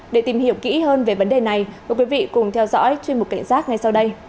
để tìm hiểu kỹ hơn về vấn đề này mời quý vị cùng theo dõi chuyên mục cảnh giác ngay sau đây